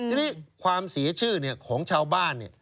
ทีนี้ความเสียชื่อของชาวบ้าน